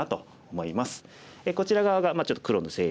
こちら側がちょっと黒の勢力。